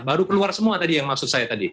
baru keluar semua tadi yang maksud saya tadi